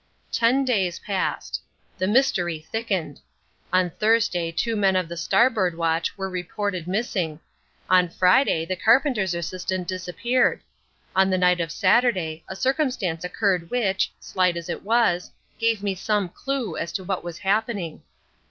Ten days passed. The mystery thickened. On Thursday two men of the starboard watch were reported missing. On Friday the carpenter's assistant disappeared. On the night of Saturday a circumstance occurred which, slight as it was, gave me some clue as to what was happening.